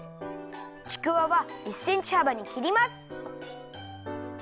ちくわは１センチはばにきります。